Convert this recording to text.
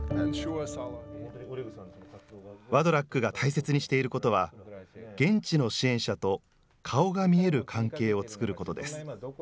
ワドラックが大切にしていることは、現地の支援者と顔が見える関係を作ることです。